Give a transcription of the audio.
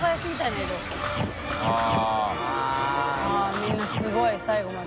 戞みんなすごい最後まで。